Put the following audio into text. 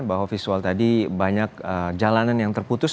bahwa visual tadi banyak jalanan yang terputus